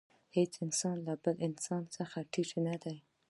هېڅ انسان له بل انسان څخه ټیټ نه دی.